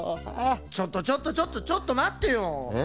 ちょっとちょっとちょっとちょっとまってよ。え？